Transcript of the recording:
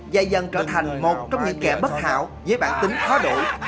dài dần trở thành một trong những kẻ bất hảo với bản tính khó đủ